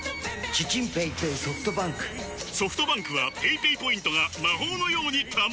ソフトバンクはペイペイポイントが魔法のように貯まる！